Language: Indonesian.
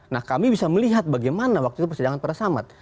nah kami bisa melihat bagaimana waktu itu persidangan para samad